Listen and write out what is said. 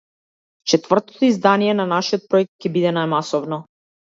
Четвртото издание на нашиот проект ќе биде најмасовно.